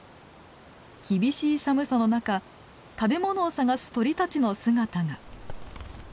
厳しい寒さの中食べ物を探す鳥たちの姿が。